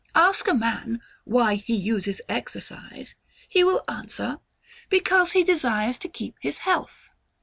Ask a man WHY HE USES EXERCISE; he will answer, BECAUSE HE DESIRES TO KEEP HIS HEALTH.